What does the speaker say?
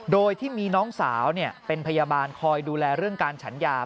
โดยที่มีน้องสาวเป็นพยาบาลคอยดูแลเรื่องการฉันยา